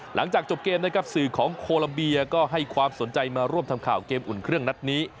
หลังจากจบเกมนะครับสื่อของโคลัมเบียก็ให้ความสนใจมาร่วมทำข่าวเกมอุ่นเครื่องนัดนี้